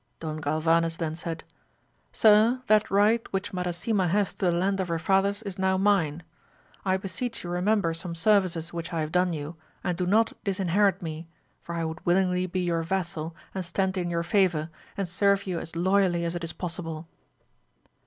Don Galvanes then said, Sir, that right which Madasima has to the land of her father's is now mine. I beseech yoa 138 A MA LIS OF GAUL. remember some services which I have done you, and do not disinherit me, for I would willingly be your vassal and stand in your favour, and serve you as loyally as it is possible.